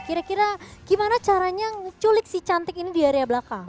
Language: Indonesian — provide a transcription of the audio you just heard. kira kira gimana caranya ngeculik si cantik ini di area belakang